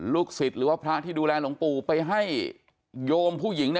ศิษย์หรือว่าพระที่ดูแลหลวงปู่ไปให้โยมผู้หญิง